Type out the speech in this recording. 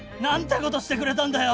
ことしてくれたんだよ！